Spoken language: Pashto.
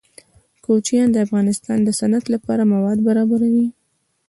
کوچیان د افغانستان د صنعت لپاره مواد برابروي.